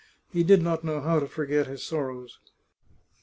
He did not know how to forget his sorrows.